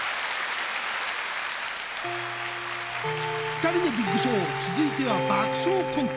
「ふたりのビッグショー」続いては爆笑コント